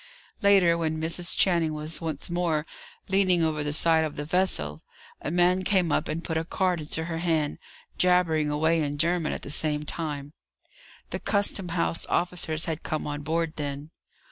Later, when Mrs. Channing was once more leaning over the side of the vessel, a man came up and put a card into her hand, jabbering away in German at the same time. The Custom House officers had come on board then.